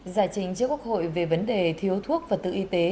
giải trình trước quốc hội về vấn đề thiếu thuốc và tự y tế